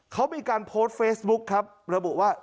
เขามีการโพสต์เฟซบุ๊คครับระบุว่า